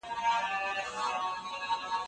زه د بدو سترګو له اثر څخه بېرېږمه